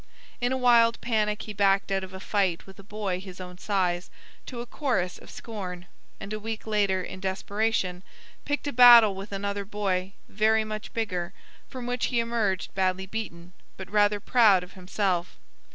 In a wild panic he backed out of a fight with a boy his own size, to a chorus of scorn, and a week later, in desperation, picked a battle with another boy very much bigger, from which he emerged badly beaten, but rather proud of himself.